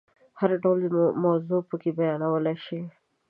هر ډول موضوع پکې بیانولای شي.